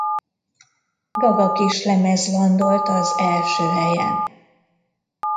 Gaga-kislemez landolt az első helyen.